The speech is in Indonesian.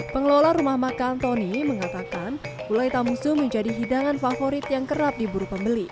pengelola rumah makan tony mengatakan gulai tamusu menjadi hidangan favorit yang kerap diburu pembeli